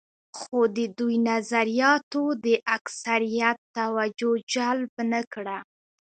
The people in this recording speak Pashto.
خو د دوی نظریاتو د اکثریت توجه جلب نه کړه.